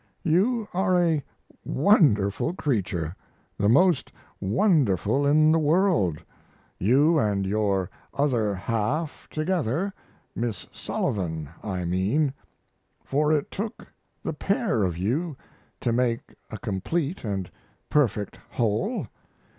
You are a wonderful creature, the most wonderful in the world you and your other half together Miss Sullivan, I mean for it took the pair of you to make a complete & perfect whole.